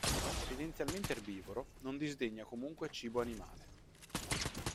Tendenzialmente erbivoro, non disdegna comunque cibo animale.